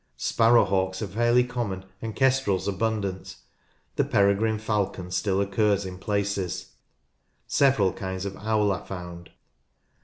Sparrow hawks are fairly common and kestrels abundant. The peregrine falcon still occurs in places. Several kinds of owl are found.